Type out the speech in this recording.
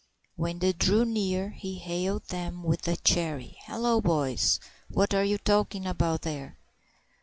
When they drew near he hailed them with a cheery "Hallo, boys! what are you talking about there?"